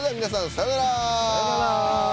さようなら！